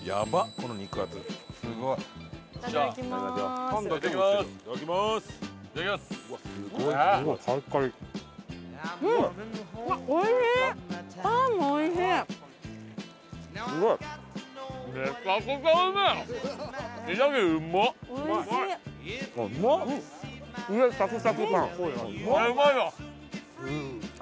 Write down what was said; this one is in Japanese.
これうまいわ。